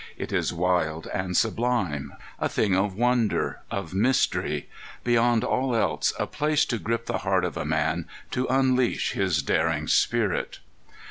It is wild and sublime, a thing of wonder, of mystery; beyond all else a place to grip the heart of a man, to unleash his daring spirit.